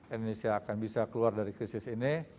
indonesia akan bisa keluar dari krisis ini